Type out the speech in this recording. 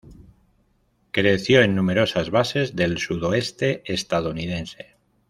Creció en numerosas bases del sudoeste estadounidense.